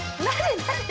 何？